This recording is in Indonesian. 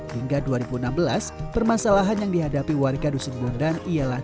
hingga dua ribu enam belas permasalahan yang dihadapi warga dusun bondan ialah